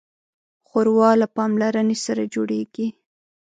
ښوروا له پاملرنې سره جوړیږي.